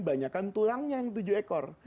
banyakan tulangnya yang tujuh ekor